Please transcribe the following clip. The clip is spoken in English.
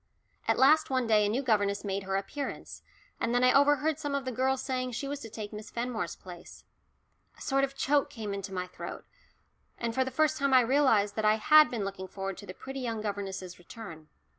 At last one day a new governess made her appearance, and then I overheard some of the girls saying she was to take Miss Fenmore's place. A sort of choke came into my throat, and for the first time I realised that I had been looking forward to the pretty young governess's return.